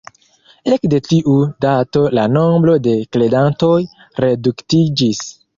Ekde tiu dato la nombro de kredantoj reduktiĝis.